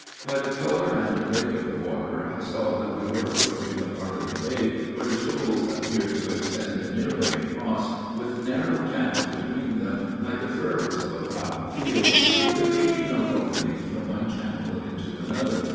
By the color and break of the water I saw that we were approaching a part of the bay where the shoals appeared to extend nearly across, with narrow channels between them like the furrows in a plowed field, with occasional openings from one channel into another.